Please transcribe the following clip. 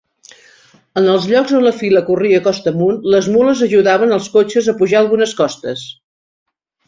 En els llocs on la fila corria costa amunt, les mules ajudaven els cotxes a pujar algunes costes.